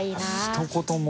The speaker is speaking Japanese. ひと言も。